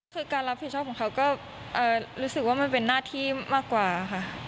คือการรับผิดชอบของเขาก็รู้สึกว่ามันเป็นหน้าที่มากกว่าค่ะ